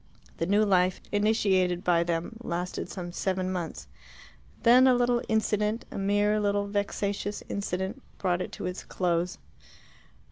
The New Life initiated by them lasted some seven months. Then a little incident a mere little vexatious incident brought it to its close.